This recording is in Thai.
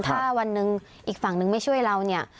ถ้าวันหนึ่งอีกฝั่งนึงไม่ช่วยเราเนี่ย